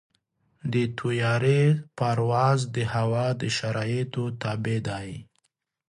د طیارې پرواز د هوا د شرایطو تابع دی.